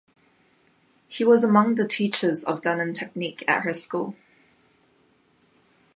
He was among the teachers of Dunham Technique at her school.